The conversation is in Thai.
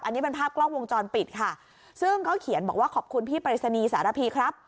อันนี้เป็นภาพกล้องวงจรปิดค่ะซึ่งเขาเขียนบอกว่าขอบคุณพี่ปริศนีย์สารพีครับ